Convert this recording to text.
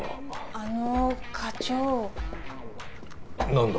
あの課長何だ？